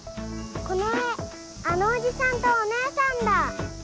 この絵あのおじさんとお姉さんだ！